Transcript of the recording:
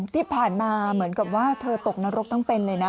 ที่ผ่านมาเหมือนกับว่าเธอตกนรกทั้งเป็นเลยนะ